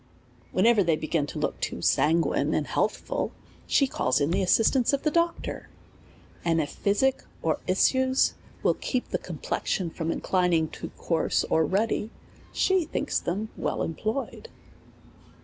Whenever they begin to look sanguine and health ful, she calls in the assistance of the doctor; and if physic, or issues, will keep the complexion from in A SERIOUS CALL TO A dining to coarse or ruddy^ sbe thinks them well em ployed.